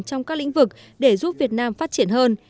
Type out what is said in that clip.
trong các lĩnh vực để giúp việt nam phát triển hơn